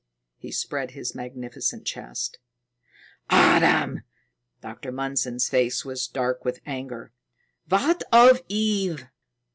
He spread his magnificent chest. "Adam!" Dr. Mundson's face was dark with anger. "What of Eve?"